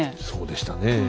そうでしたねえ。